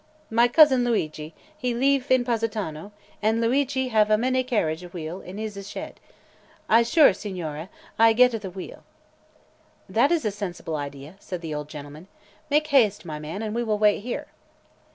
My Cousin L'uigi, he leeve in Positano, an' L'uigi have a many carriage wheel in he's shed. I sure, Signore, I getta the wheel." "That is a sensible idea," said the old gentleman. "Make haste, my man, and we will wait here."